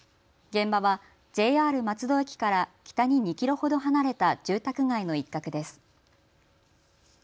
現場はＪＲ松戸駅から北に２キロほど離れた住宅街の一角です。